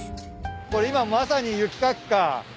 これ今まさに雪かきか。